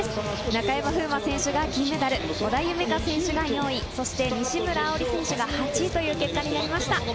中山楓奈選手は銀メダル、織田夢海選手が４位、そして西村碧莉選手が８位という結果になりました。